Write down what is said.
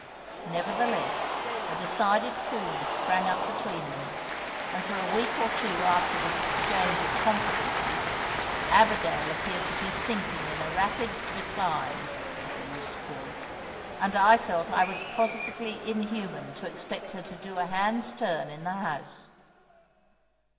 Nevertheless, a decided coolness sprang up between them; and for a week or two after this exchange of confidences, Abigail appeared to be sinking in a rapid "decline" (as they used to call it), and I felt I was positively inhuman to expect her to do a hand's turn in the house.